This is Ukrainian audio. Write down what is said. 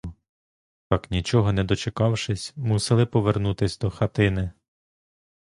Так, нічого не дочекавшись, мусили повернутись до хатини.